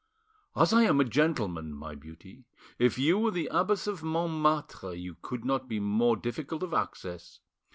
"As I am a gentleman, my beauty, if you were the Abbess of Montmartre, you could not be more difficult of access.